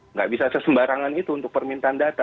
nggak bisa sesembarangan itu untuk permintaan data